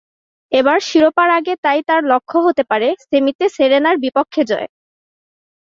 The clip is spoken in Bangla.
এবার শিরোপার আগে তাই তাঁর লক্ষ্য হতে পারে—সেমিতে সেরেনার বিপক্ষে জয়।